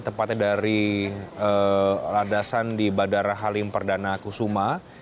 tepatnya dari ladasan di bandara halim perdana kusuma